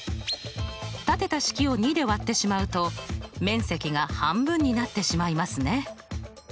立てた式を２で割ってしまうと面積が半分になってしまいますね。